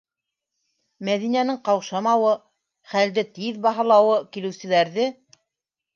Мәҙинәнең ҡаушамауы, хәлде тиҙ баһалауы килеүселәрҙе